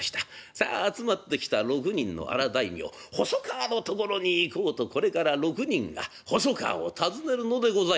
さあ集まってきた６人の荒大名細川のところに行こうとこれから６人が細川を訪ねるのでございます。